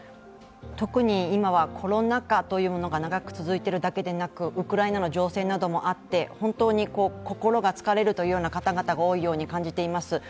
特に今は、コロナ禍というものが長く続いているだけでなくウクライナの情勢などもあって心が疲れるという方々が多いように感じています。